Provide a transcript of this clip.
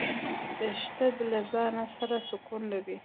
دښته له ځانه سره سکون لري.